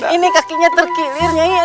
ini kakinya terkilir